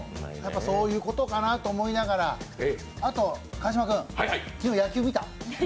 そういうことかなと思いながらあと、川島君、昨日、野球見た？